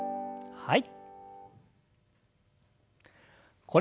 はい。